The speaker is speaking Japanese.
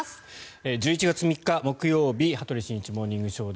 １１月３日、木曜日「羽鳥慎一モーニングショー」。